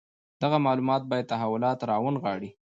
دغه معلومات باید تحولات راونغاړي.